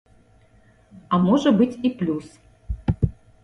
А можа быць і плюс.